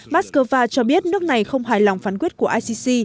moscow cho biết nước này không hài lòng phán quyết của icc